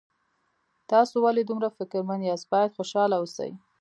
تاسو ولې دومره فکرمن یاست باید خوشحاله اوسئ